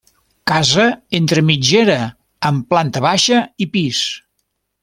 Casa entre mitgera amb planta baixa i pis.